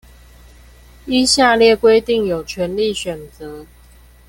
依下列規定有權利選擇